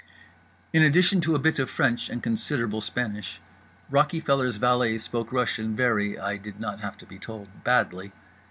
In addition to a bit of French and considerable Spanish, Rockyfeller's valet spoke Russian very (I did not have to be told) badly.